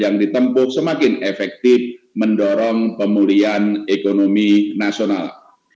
yang ditempuh semakin efektif mendorong pemulihan ekonomi nasional